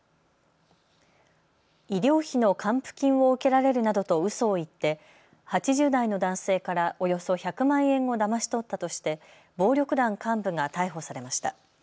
医療費の還付金を受けられるなどとうそを言って８０代の男性からおよそ１００万円をだまし取ったとして暴力団幹部が逮捕されました。